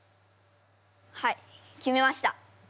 はい決めました。